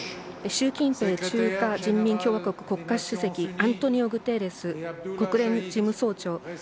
習近平中華人民共和国国家主席アントニオ・グテーレス国連事務総長。